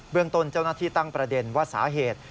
เรื่องต้นเจ้าหน้าที่ตั้งประเด็นว่าสาเหตุ